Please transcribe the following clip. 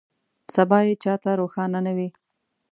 سبا یې چا ته روښانه نه وي.